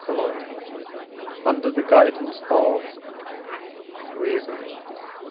Coroll.) under the guidance of reason (IV.